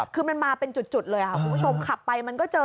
คือมันมาเป็นจุดเลยค่ะคุณผู้ชมขับไปมันก็เจอ